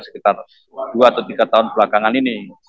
sekitar dua atau tiga tahun belakangan ini